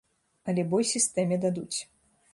Але бой сістэме дадуць.